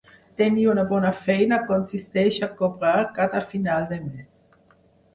Tenir una bona feina consisteix a cobrar cada final de mes.